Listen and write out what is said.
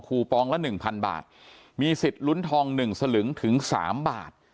คูปองละหนึ่งพันบาทมีสิทธิ์ลุ้นทองหนึ่งสลึงถึงสามบาท